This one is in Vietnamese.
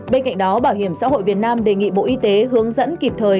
bên cạnh đó bảo hiểm xã hội việt nam đề nghị bộ y tế hướng dẫn kịp thời